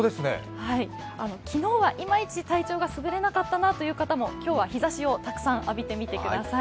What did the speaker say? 昨日はいまいち、体調がすぐれなかったという方も今日は日ざしをたくさん浴びてみてください。